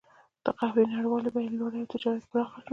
د قهوې نړیوالې بیې لوړې او تجارت یې پراخ شو.